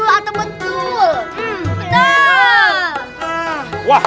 jutuh air karena misalnya